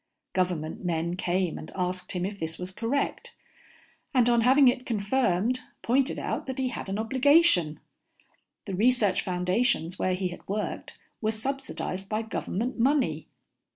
Government men came and asked him if this was correct, and on having it confirmed pointed out that he had an obligation. The research foundations where he had worked were subsidized by government money.